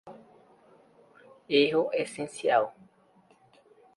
erro essencial